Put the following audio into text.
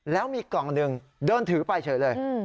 แล้วมีกล่องหนึ่งเดินถือไปเฉยเลย